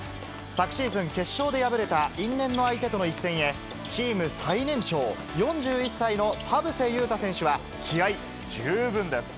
昨シーズン、決勝で敗れた因縁の相手との一戦へ、チーム最年長４１歳の田臥勇太選手は、気合い十分です。